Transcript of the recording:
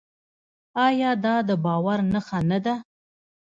آیا دا د باور نښه نه ده؟